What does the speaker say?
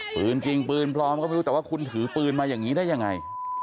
ปืนจริงปืนปลอมก็ไม่รู้แต่ว่าคุณถือปืนมาอย่างนี้ได้ยังไง